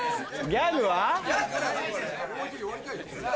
ギャグは？